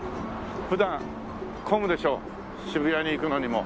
普段混むでしょう渋谷に行くのにも。